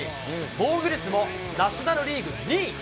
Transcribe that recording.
防御率もナショナルリーグ２位。